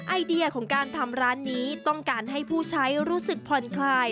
ไอเดียของการทำร้านนี้ต้องการให้ผู้ใช้รู้สึกผ่อนคลาย